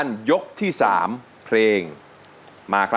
โชคชะตาโชคชะตา